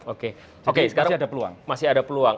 oke jadi masih ada peluang